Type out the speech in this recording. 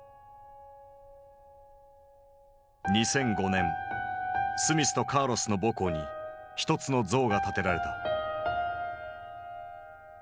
２００５年スミスとカーロスの母校に一つの像が建てられた。